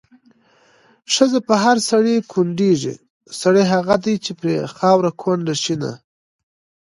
ښځه په هر سړي کونډېږي، سړی هغه دی چې پرې خاوره کونډه شېنه